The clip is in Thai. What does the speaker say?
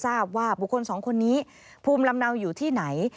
ทราบว่าบุคคลสองคนนี้ภูมิลำเนาอยู่ที่ไหน